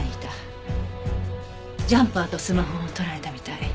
ジャンパーとスマホを取られたみたい。